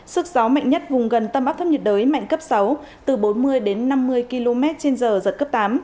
sức gió mạnh nhất vùng gần tâm áp thấp nhiệt đới mạnh cấp sáu từ bốn mươi đến năm mươi km trên giờ giật cấp tám